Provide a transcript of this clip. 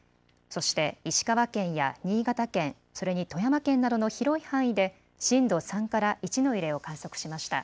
そして石川県や新潟県、それに富山県などの広い範囲で震度３から１の揺れを観測しました。